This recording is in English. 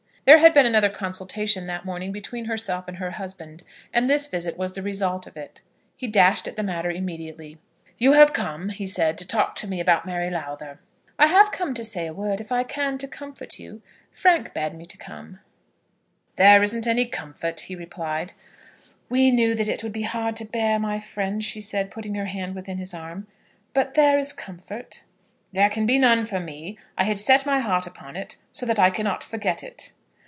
There had been another consultation that morning between herself and her husband, and this visit was the result of it. He dashed at the matter immediately. "You have come," he said, "to talk to me about Mary Lowther." "I have come to say a word, if I can, to comfort you. Frank bade me to come." [Illustration: "I have come to say a word, if I can, to comfort you."] "There isn't any comfort," he replied. "We knew that it would be hard to bear, my friend," she said, putting her hand within his arm; "but there is comfort." "There can be none for me. I had set my heart upon it so that I cannot forget it."